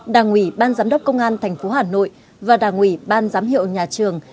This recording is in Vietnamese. đảng ủy ban giám đốc công an thành phố hà nội và đảng ủy ban giám hiệu nhà trường